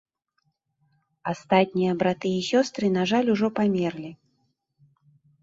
Астатнія браты і сёстры, на жаль, ужо памерлі.